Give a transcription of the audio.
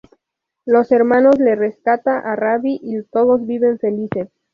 Los hermanos le rescata a Ravi y todos viven felices.